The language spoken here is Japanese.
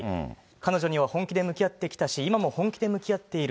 彼女には本気で向き合ってきたし、今も本気で向き合っている。